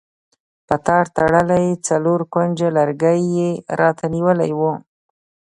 په تار تړلی څلور کونجه لرګی یې راته نیولی و.